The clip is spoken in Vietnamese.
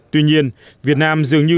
tuy nhiên việt nam dường như